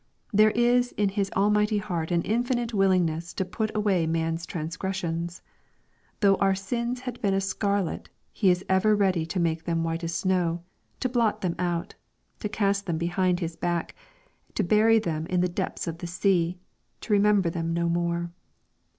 There is in His almighty heart an infinite willingness to put away man's transgressions. Though our sins have been as scarlet He is ever ready to make them white as snow, to blot them out, to cast them behind His back, to bury them in the depths of the sea, to re member them no more.